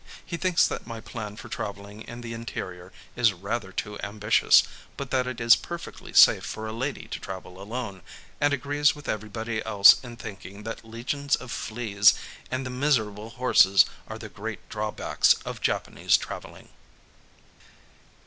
He thinks that my plan for travelling in the interior is rather too ambitious, but that it is perfectly safe for a lady to travel alone, and agrees with everybody else in thinking that legions of fleas and the miserable horses are the great drawbacks of Japanese travelling.